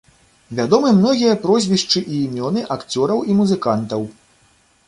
Вядомы многія прозвішчы і імёны акцёраў і музыкантаў.